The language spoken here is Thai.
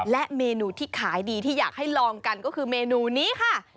และเมนูที่ขายดีที่อยากให้ลองกันก็คือเมนูนี้ค่ะ